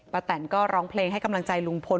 แตนก็ร้องเพลงให้กำลังใจลุงพล